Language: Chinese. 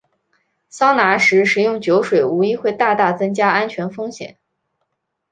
桑拿时食用酒水无疑会大大增加安全风险。